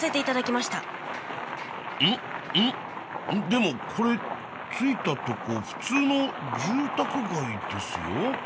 でもこれ着いたとこ普通の住宅街ですよ。